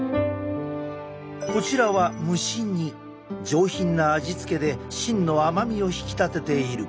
上品な味付けで芯の甘みを引き立てている。